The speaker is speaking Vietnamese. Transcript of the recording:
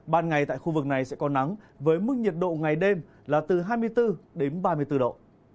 ban ngày tại khu vực này sẽ có nắng với mức nhiệt độ ngày đêm là từ hai mươi bốn đến ba mươi bốn độ